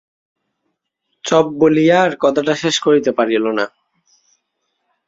Chop– বলিয়া আর কথাটা শেষ করিতে পারিল না।